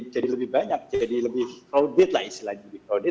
jadi lebih crowded lah